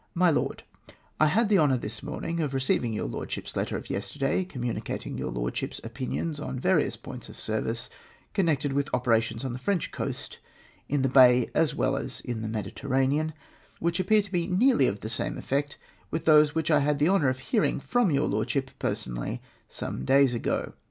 "My Lord, — I had the honour this morning of receiving your Lordship's letter of yesterday, communicating your Lord ship's opinions on various points of service connected with operations on the French coast in the Bay as well as in the jMediterranean, which appear to be nearly of the same effect with those which I had the lionour of hearing from your Lordship personally some days ago.